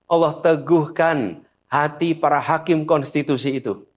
allah teguhkan hati para hakim konstitusi itu